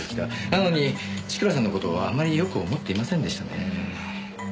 なのに千倉さんの事をあまりよく思っていませんでしたね。